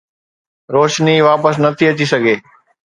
روشني واپس نٿي اچي سگهي